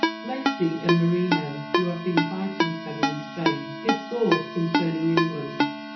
[Lacy and Merino, who have been fighting together in Spain, discourse concerning England.